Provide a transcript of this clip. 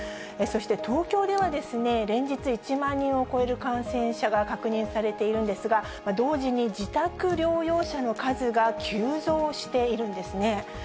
そして東京ではですね、連日１万人を超える感染者が確認されているんですが、同時に自宅療養者の数が急増しているんですね。